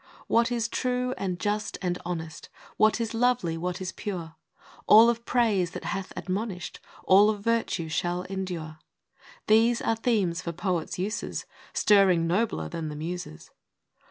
What is true and just and honest, What is lovely, what is pure, — All of praise that hath admonish'd, All of virtue, shall endure, — These are themes for poets' uses, Stirring nobler than the Muses.